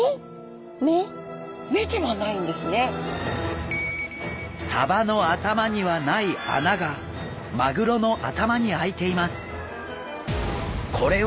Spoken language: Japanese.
えっサバの頭にはない穴がマグロの頭にあいています。